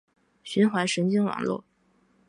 循环神经网络